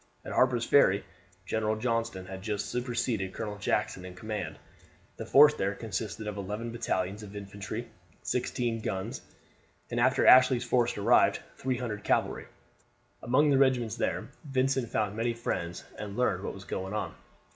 At Harper's Ferry General Johnston had just superseded Colonel Jackson in command. The force there consisted of 11 battalions of infantry, 16 guns, and after Ashley's force arrived, 300 cavalry. Among the regiments there Vincent found many friends, and learned what was going on.